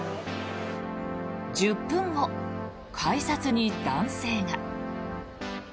１０分後、改札に男性が。